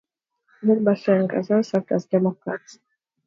Both Butler and Gazzara served as Democrats.